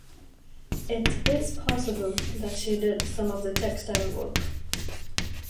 It is possible that she did some of the textile work.